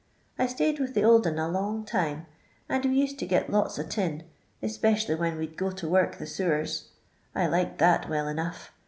I stay'd with the old un a long time, and we used to git lots o' tin, specially when we 'd go to work the sewers. I liked that well enough.